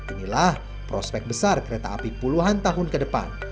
inilah prospek besar kereta api puluhan tahun ke depan